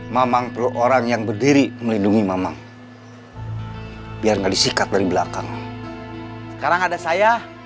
mamang perlu orang yang berdiri melindungi mamang biar nggak disikat dari belakangan sekarang ada saya